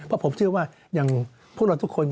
เพราะผมเชื่อว่าอย่างพวกเราทุกคน